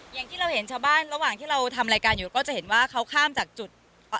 อย่างที่เราเห็นชาวบ้านระหว่างที่เราทำรายการอยู่ก็จะเห็นว่าเขาข้ามจากจุด